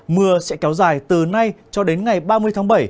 mưa sẽ kéo dài từ nay cho đến ngày ba mươi tháng bảy